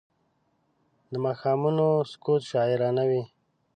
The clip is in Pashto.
د ماښامونو سکوت شاعرانه وي